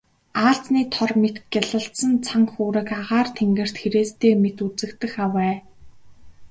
Аалзны тор мэт гялалзсан цан хүүрэг агаар тэнгэрт хэрээстэй мэт үзэгдэх авай.